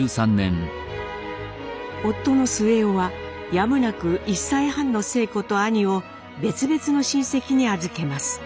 夫の末男はやむなく１歳半の晴子と兄を別々の親戚に預けます。